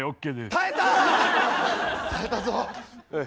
耐えたぞ。